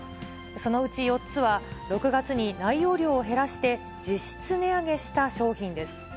そのうち４つは、６月に内容量を減らして、実質値上げした商品です。